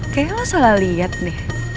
kayaknya lo salah liat deh